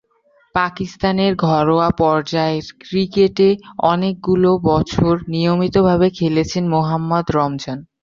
পাকিস্তানের ঘরোয়া পর্যায়ের ক্রিকেটে অনেকগুলো বছর নিয়মিতভাবে খেলেছেন মোহাম্মদ রমজান।